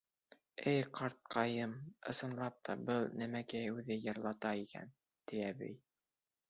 — Эй, ҡартыҡайым, ысынлап та, был нәмәкәй үҙе йырлата икән, — ти әбей.